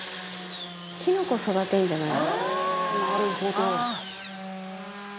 キノコ育てるんじゃないですか？